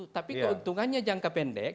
tapi keuntungannya jangka pendek